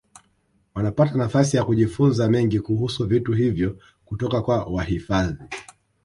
Wanapata nafasi ya kujifunza mengi kuhusu vitu hivyo kutoka kwa wahifadhi